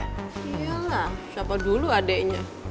yelah siapa dulu adeknya